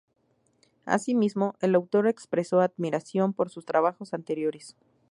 Asimismo, el autor expresó admiración por sus trabajos anteriores.